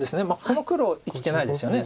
この黒生きてないですよね。